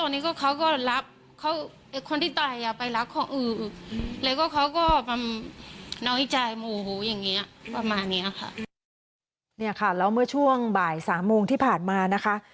นี่ค่ะแล้วเมื่อช่วงบ่าย๓โมงที่ผ่านมานะคะ